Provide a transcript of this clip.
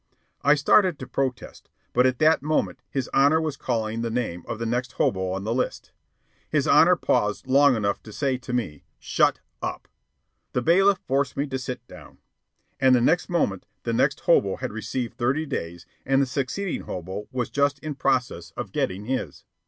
I started to protest, but at that moment his Honor was calling the name of the next hobo on the list. His Honor paused long enough to say to me, "Shut up!" The bailiff forced me to sit down. And the next moment that next hobo had received thirty days and the succeeding hobo was just in process of getting his.